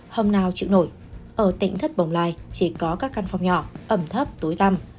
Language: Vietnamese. hôm nào chịu nổi ở tỉnh thất bóng lai chỉ có các căn phòng nhỏ ẩm thấp túi tăm